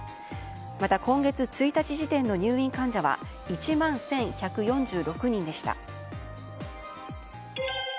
また、今月１日時点の入院患者は１万１１４６人でした。